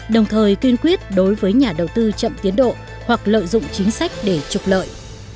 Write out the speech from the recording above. đồng thời kiên quyết đối với nhà đầu tư chậm tiến độ hoặc lợi dụng chính sách để trục lợi